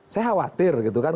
saya khawatir gitu kan